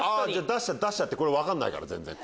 出しちゃってこれ分かんないから全然。